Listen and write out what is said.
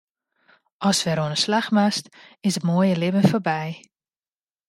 Ast wer oan 'e slach moatst, is it moaie libben foarby.